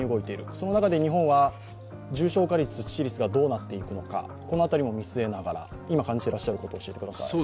その中で日本は重症化率、致死率がどうなっていくのか、この辺りも見据えながら今感じてらっしゃることを教えてください。